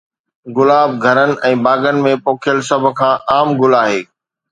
گلاب گهرن ۽ باغن ۾ پوکيل سڀ کان عام گل آهي